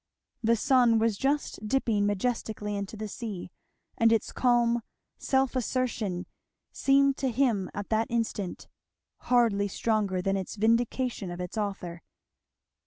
The sun was just dipping majestically into the sea, and its calm self assertion seemed to him at that instant hardly stronger than its vindication of its Author.